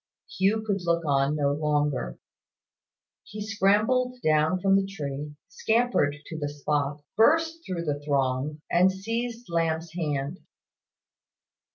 Hugh could look on no longer. He scrambled down from the tree, scampered to the spot, burst through the throng, and seized Lamb's hand.